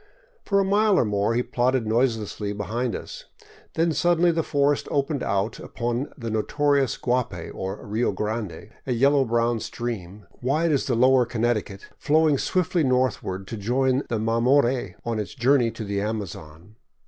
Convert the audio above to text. For a mile or more he plodded noiselessly behind us. Then suddenly the forest opened out upon the notorious Guapay, or Rio Grande, a yellow brown stream, wide as the lower Connecticut, flowing swiftly north ward to join the Mamore on its journey to the Amazon.